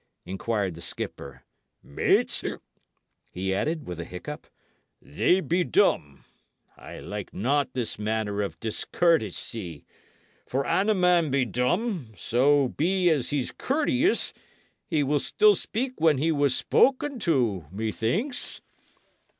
inquired the skipper. "Mates," he added, with a hiccup, "they be dumb. I like not this manner of discourtesy; for an a man be dumb, so be as he's courteous, he will still speak when he was spoken to, methinks."